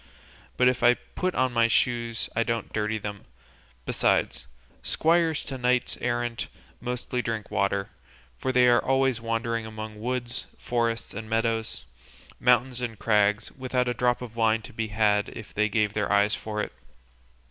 But if I put on my shoes I don't dirty them; besides, squires to knights errant mostly drink water, for they are always wandering among woods, forests and meadows, mountains and crags, without a drop of wine to be had if they gave their eyes for it."